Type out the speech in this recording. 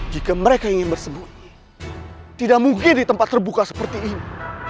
jika mereka ingin bersembunyi tidak mungkin di tempat terbuka seperti ini